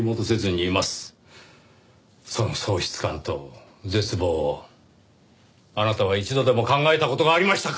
その喪失感と絶望をあなたは一度でも考えた事がありましたか？